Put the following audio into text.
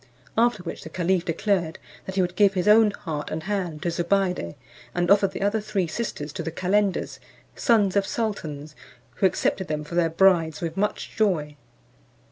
After which the caliph declared that he would give his own heart and hand to Zobeide, and offered the other three sisters to the calenders, sons of sultans, who accepted them for their brides with much joy.